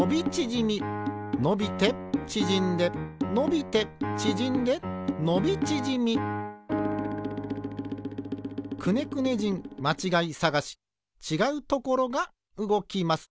のびてちぢんでのびてちぢんでのびちぢみ「くねくね人まちがいさがし」ちがうところがうごきます。